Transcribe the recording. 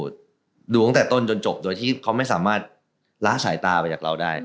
ดูตั้งแต่ต้นจนจบโดยที่เขาไม่สามารถล้าสายตาไปจากเราได้